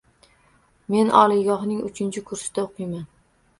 Men oliygohning uchinchi kursida o’qiyman.